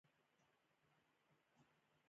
آیا د وچې میوې بازار په اختر کې تودیږي؟